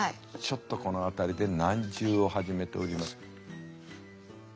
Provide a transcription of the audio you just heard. ちょっとこの辺りで難渋を始めております。